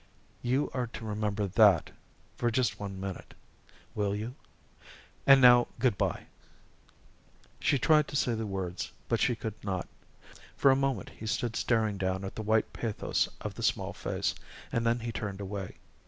You are to remember that for just one minute will you? And now good by " She tried to say the words, but she could not. For a moment he stood staring down at the white pathos of the small face, and then he turned away.